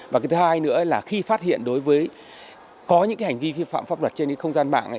và thứ hai nữa là khi phát hiện đối với có những hành vi vi phạm pháp luật trên không gian mạng